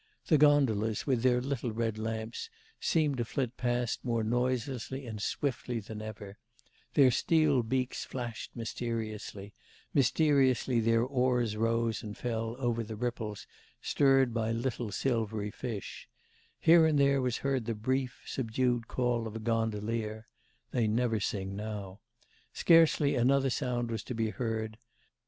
The gondolas, with their little red lamps, seemed to flit past more noiselessly and swiftly than ever; their steel beaks flashed mysteriously, mysteriously their oars rose and fell over the ripples stirred by little silvery fish; here and there was heard the brief, subdued call of a gondolier (they never sing now); scarcely another sound was to be heard.